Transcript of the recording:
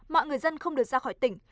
mọi người dân không được ra khỏi tỉnh